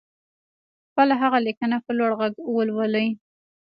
خپله هغه ليکنه په لوړ غږ ولولئ.